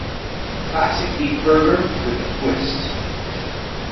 Classic beef burger, with a twist.